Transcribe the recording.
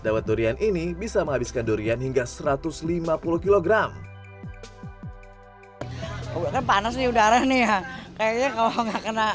dawet durian ini bisa menghabiskan durian hingga satu ratus lima puluh kg panas nih udara nih ya kayaknya kalau nggak kena